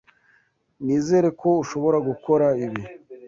Nizere ko ushobora gukora ibi.